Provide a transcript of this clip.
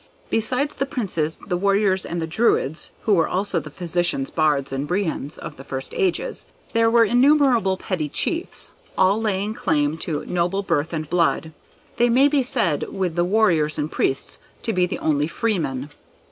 Besides the princes, the warriors, and the Druids, (who were also the Physicians, Bards and Brehons of the first ages,) there were innumerable petty chiefs, all laying claim to noble birth and blood. They may be said with the warriors and priests to be the only freemen.